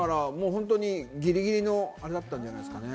ギリギリのあれだったんじゃないですかね。